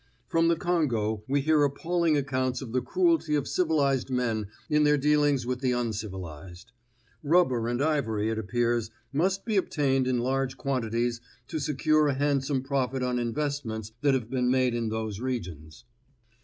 From the Congo we hear appalling accounts of the cruelty of civilized men in their dealings with the uncivilized. Rubber and ivory, it appears, must be obtained in large quantities to secure a handsome profit on investments that have been made in those regions.